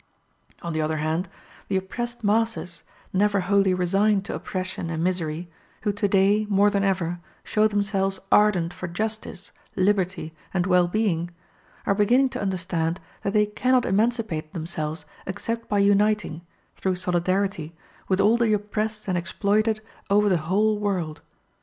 On the other hand, the oppressed masses, never wholly resigned to oppression and misery, who today more than ever show themselves ardent for justice, liberty, and well being, are beginning to understand that they cannot emancipate themselves except by uniting, through solidarity with all the oppressed and exploited over the whole world.